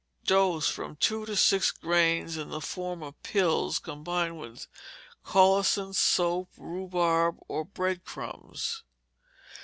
Dose, from two to six grains, in the form of pills, combined with colocynth, soap, rhubarb, or bread crumbs.